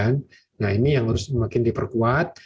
nah ini yang harus semakin diperkuat